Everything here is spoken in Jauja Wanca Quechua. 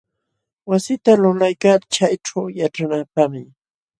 Wasita lulaykaa chayćhuu yaćhanaapaqmi.